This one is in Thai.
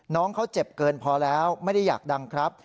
น้องเขาเจ็บเกินพอแล้วไม่ได้อยากดังครับ